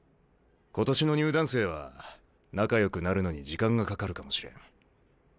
今年の入団生は仲よくなるのに時間がかかるかもしれん。